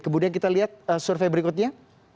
kemudian kita lihat survei berikutnya